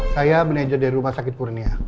saya manajer dari rumah sakit kurnia